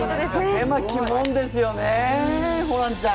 狭き門ですよね。